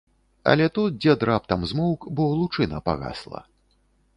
Але тут дзед раптам змоўк, бо лучына пагасла.